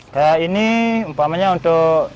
kayak ini umpamanya untuk